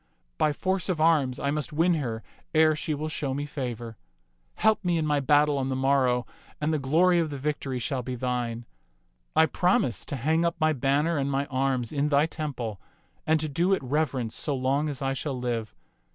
By force of arms I must win her ere she will show me favor. Help me in my battle on the morrow, and the glory of the vic tory shall be thine. I promise to hang up my banner and my arms in thy temple and to do it reverence so long as I shall live.